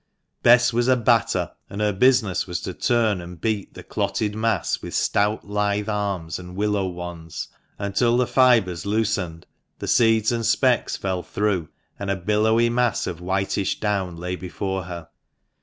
Bess was a batter, and her business was to turn and beat the clotted mass with stout lithe arms and willow wands, until the fibres loosened, the seeds and specks fell through, and a billowy mass of whitish down lay before her.